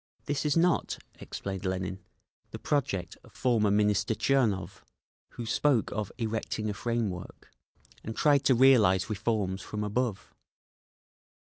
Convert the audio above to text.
"This is not," explained Lenin, "the project of former Minister Tchernov, who spoke of 'erecting a frame work' and tried to realise reforms from above.